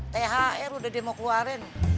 thr udah dia mau keluarin